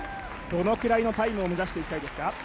どのくらいのタイムを目指していきたいですか。